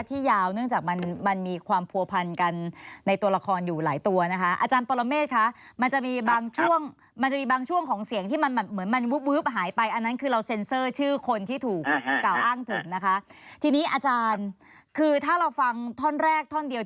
สิ่งในตอนนี้ยังไม่มีก็ไม่เป็นไร